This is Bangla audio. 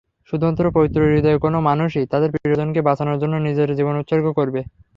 শুধুমাত্র পবিত্র হৃদয়ের কোনও মানুষই তাদের প্রিয়জনকে বাঁচানোর জন্য নিজের জীবন উৎসর্গ করবে।